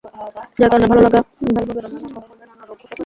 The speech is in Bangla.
যার কারণে ভালোভাবে রান্না না করা হলে নানা রোগ হতে পারে।